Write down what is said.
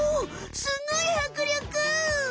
すごいはくりょく！